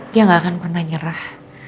dia gak akan pernah nyerah